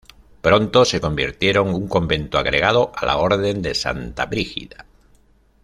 Pronto se convirtieron un convento agregado a la Orden de Santa Brígida.